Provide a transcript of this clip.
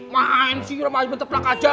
mahan sih rumah aja benteplak aja